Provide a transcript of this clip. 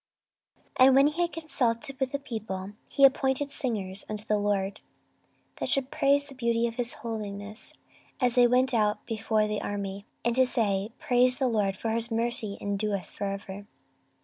14:020:021 And when he had consulted with the people, he appointed singers unto the LORD, and that should praise the beauty of holiness, as they went out before the army, and to say, Praise the LORD; for his mercy endureth for ever.